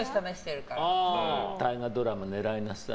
大河ドラマ狙いなさい。